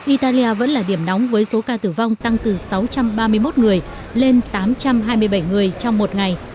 italia vẫn là điểm nóng với số ca tử vong tăng từ sáu trăm ba mươi một người lên tám trăm hai mươi bảy người trong một ngày